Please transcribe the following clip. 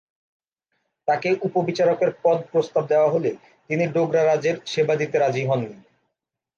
তাকে উপ-বিচারকের পদ প্রস্তাব দেওয়া হলেও তিনি ডোগরা রাজের সেবা দিতে রাজি হননি।